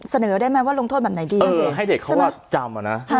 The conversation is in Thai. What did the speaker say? เสนอได้ไหมว่าลงโทษแบบไหนดีเออเสนอให้เด็กเขามาจำอ่ะนะ